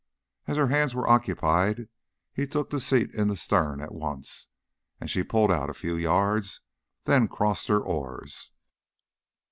As her hands were occupied, he took the seat in the stern at once, and she pulled out a few yards, then crossed her oars.